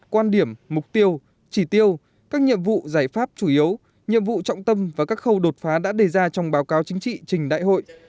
quan điểm mục tiêu chỉ tiêu các nhiệm vụ giải pháp chủ yếu nhiệm vụ trọng tâm và các khâu đột phá đã đề ra trong báo cáo chính trị trình đại hội